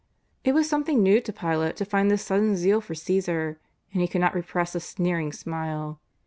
It was something new to Pilate to find this sudden zeal for Caesar, and he could not repress a sneering smile.